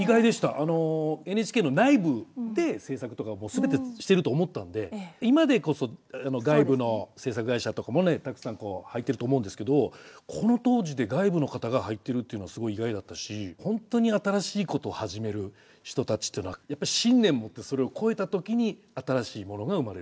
あのＮＨＫの内部で制作とかも全てしてると思ったんで今でこそ外部の制作会社とかもねたくさん入ってると思うんですけどこの当時で外部の方が入ってるっていうのはすごい意外だったし本当に新しいことを始める人たちっていうのはやっぱり信念持ってそれを超えた時に新しいものが生まれる。